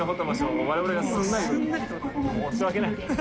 申し訳ない。